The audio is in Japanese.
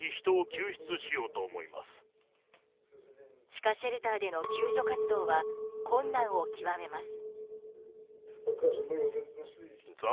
地下シェルターでの救助活動は困難を極めます。